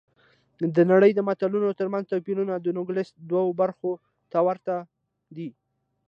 د نړۍ د ملتونو ترمنځ توپیرونه د نوګالس دوو برخو ته ورته دي.